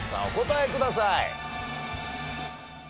お答えください。